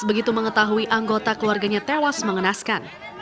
begitu mengetahui anggota keluarganya tewas mengenaskan